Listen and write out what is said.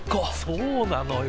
そうなのよ。